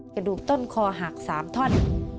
กระดูกต้นคอหัก๓ท่อน